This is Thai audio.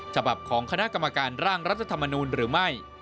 ฉบับของคณะกรรมการร่างรัฐธรรมนูลหรือไม่